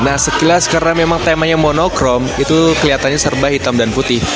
nah sekilas karena memang temanya monochrome itu kelihatannya serba hitam dan putih